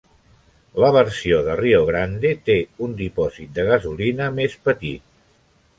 la versió de Rio Grande té un dipòsit de gasolina més petit.